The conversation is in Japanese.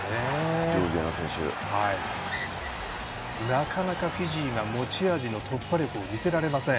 なかなかフィジーが持ち味の突破力を見せられません。